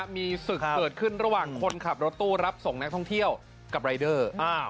มีศึกเกิดขึ้นระหว่างคนขับรถตู้รับส่งนักท่องเที่ยวกับรายเดอร์